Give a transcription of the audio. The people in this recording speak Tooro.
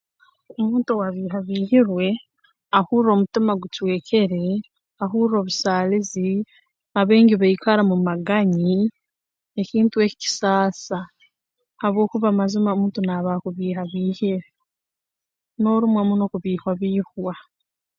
Omuntu owaabihihabiihirwe ahurra omutima gucwekere ahurra obusaalizi abaingi baikara mu maganyi ekintu eki kisaasa habwokuba mazima omuntu naaba akubiihabiihire noorumwa muno kubiiha biihwa